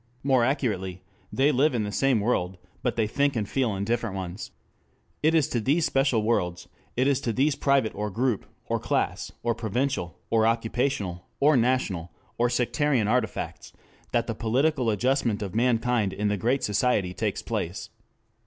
More accurately, they live in the same world, but they think and feel in different ones. It is to these special worlds, it is to these private or group, or class, or provincial, or occupational, or national, or sectarian artifacts, that the political adjustment of mankind in the Great Society takes place.